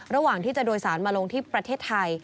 ระหว่างที่จะโดยสารมาลงที่ประเทศไทย